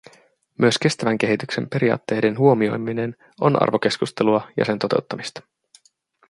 Myös kestävän kehityksen periaatteiden huomioiminen on arvokeskustelua ja sen toteuttamista.